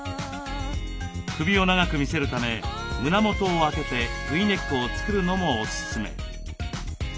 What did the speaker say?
首を長く見せるため胸元を開けてＶネックを作るのもおすすめ。